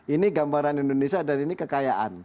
ini gambaran indonesia dan ini kekayaan